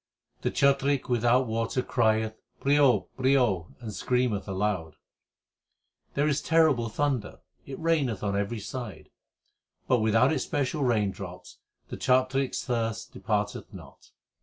The chatrik without water crieth Prio, prio! and scream eth aloud. There is terrible thunder, it raineth on every side, but without its special raindrops the chatrik s thirst departeth not.